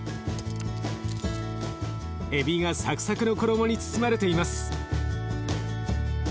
えびがサクサクの衣に包まれています。